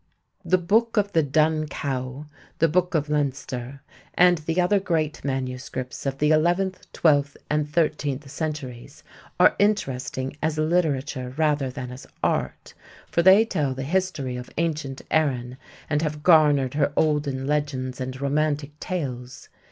The Book of the Dun Cow, The Book of Leinster, and the other great manuscripts of the eleventh, twelfth, and thirteenth centuries are interesting as literature rather than as art, for they tell the history of ancient Erin and have garnered her olden legends and romantic tales.